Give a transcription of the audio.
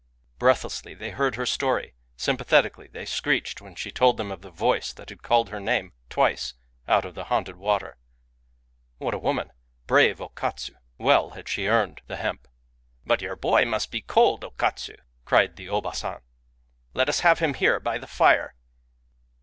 Breathlessly they heard her story; sympathetically they screeched when she told them of the Voice that had called her name, twice, out of the haunted water. ... What a woman ! Brave O Katsu !— well had she earned the hemp !..." But your boy must be cold, O Katsu !" cried the Obaa San, "let us have him here by the fire!"